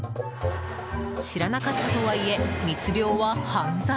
知らなかったとはいえ密漁は犯罪。